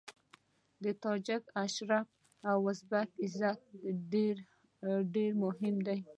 د تاجک شرف او د ازبک عزت ډېر مهم دی.